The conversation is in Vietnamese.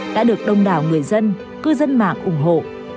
đã được đông đảo người dân cư dân mạng ủng hộ